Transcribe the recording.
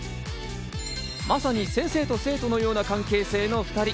まさに先生と生徒のような関係性の２人。